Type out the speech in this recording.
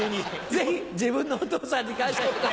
ぜひ自分のお父さんに感謝してください。